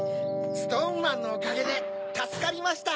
ストーンマンのおかげでたすかりました。